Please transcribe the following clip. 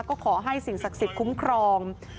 ก็ขอให้สิ่งศักดิ์สิทธิ์คุ้มครอง